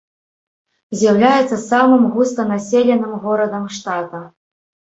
З'яўляецца самым густанаселеным горадам штата.